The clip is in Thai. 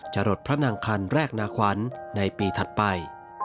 จรดพระนางคันแรกนาขวัญในปีถัดไป